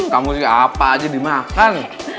kamu apa aja dimakan